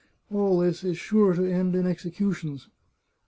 All this is sure to end in executions.